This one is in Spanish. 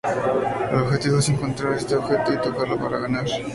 El objetivo es encontrar este objeto y tocarlo para ganar.